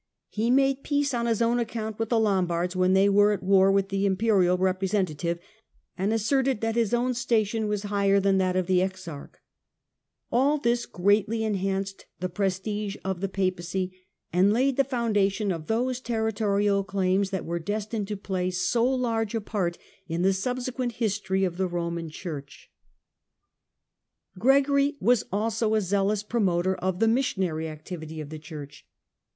He made peace on his own account with the Lombards when they were at war with the Imperial representative, and asserted that his own station was higher than that of the exarch." \11 this greatly enhanced the prestige of the Papacy, ind laid the foundation of those territorial claims that were destined to play so large a part in the subsequent history of the Roman Church. 92 THE DAWN OF MEDIAEVAL EUROPE Gregory's Gregory was also a zealous promoter of the mission ' missions .. ary activity of the Church.